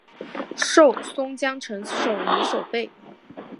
授松江城守营守备。